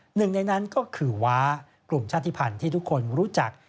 หนึ่งในนั้นก็คือว้ากลุ่มชาติภัณฑ์ที่ทุกคนรู้จัก